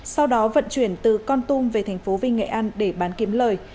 sau đó vận chuyển từ con tum về thành phố vinh nghệ an để bán kiếm lời